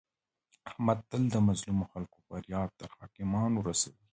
احمد تل د مظلمو خلکو فریاد تر حاکمانو رسوي.